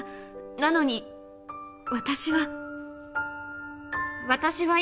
なのに私は。